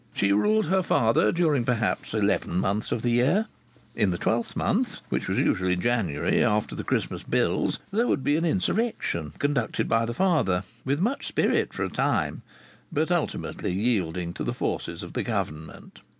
She ruled her father during perhaps eleven months of the year. In the twelfth month (which was usually January after the Christmas bills) there would be an insurrection, conducted by the father with much spirit for a time, but ultimately yielding to the forces of the government.